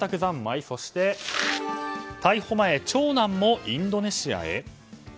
そして逮捕前長男もインドネシアへ。